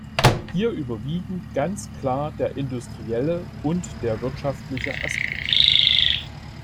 Hier überwiegen ganz klar der industrielle und der wirtschaftliche Aspekt.